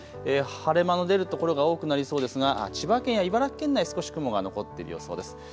晴れ間の出る所が多くなりそうですが千葉県や茨城県内少し雲が残っている予想です。